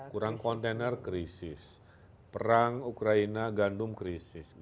kurang kontainer krisis perang ukraina gandum krisis